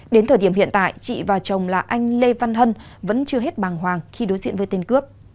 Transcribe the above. đến thời điểm hiện tại chị và chồng là anh lê văn hân vẫn chưa hết bàng hoàng khi đối diện với tên cướp